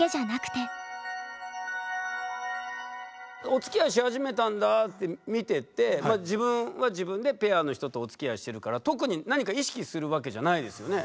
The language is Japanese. おつきあいし始めたんだって見てて自分は自分でペアの人とおつきあいしてるから特に何か意識するわけじゃないですよね？